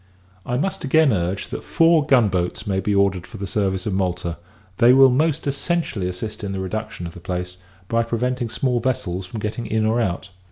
I must again urge, that four gunb oats may be ordered for the service of Malta; they will most essentially assist in the reduction of the place, by preventing small vessels from getting in or out.